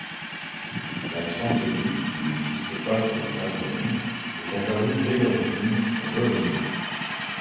L'accent aigu, qui n'existe pas sur le patronyme, est apparu dès l'origine sur l'odonyme.